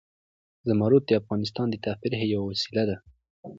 زمرد د افغانانو د تفریح یوه وسیله ده.